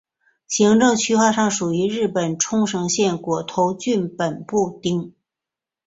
行政划分上属于日本冲绳县国头郡本部町。